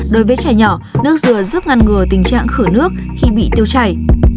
đối với trẻ nhỏ nước dừa giúp ngăn ngừa tình trạng khử nước khi bị tiêu chảy